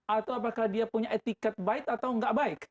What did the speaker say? atau apakah dia punya etiket baik atau enggak baik